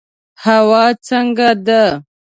هوا څنګه ده؟